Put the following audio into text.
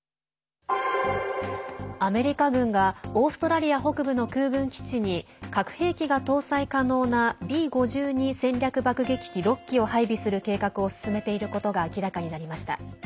アメリカ軍がオーストラリア北部の空軍基地に核兵器が搭載可能なＢ５２戦略爆撃機６機を配備する計画を進めていることが明らかになりました。